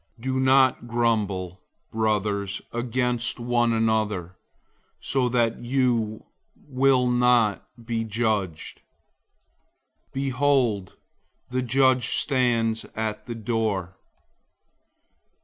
005:009 Don't grumble, brothers, against one another, so that you won't be judged. Behold, the judge stands at the door.